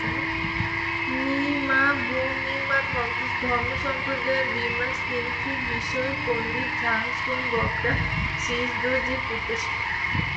ন্যি-মা-'বুম র্ন্যিং-মা ধর্মসম্প্রদায়ের বি-মা-স্ন্যিং-থিগ বিষয়ক পণ্ডিত ঝাং-স্তোন-ব্ক্রা-শিস-র্দো-র্জের পুত্র ছিলেন।